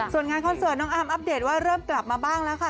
ส่วนงานคอนเสิร์ตน้องอาร์มอัปเดตว่าเริ่มกลับมาบ้างแล้วค่ะ